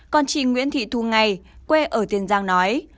còn chị nguyễn thị thu ngay quê ở tiên giang nói